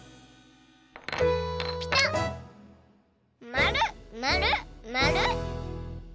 まるまるまる！